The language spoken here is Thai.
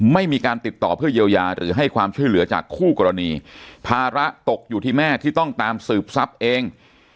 ไม่มีการติดต่อเพื่อเยียวยาหรือให้ความช่วยเหลือจากคู่กรณีภาระตกอยู่ที่แม่ที่ต้องตามสืบทรัพย์เอง